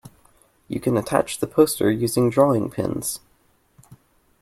You can attach the poster using drawing pins